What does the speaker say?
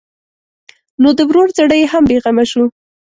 نو د ورور زړه یې هم بېغمه شو.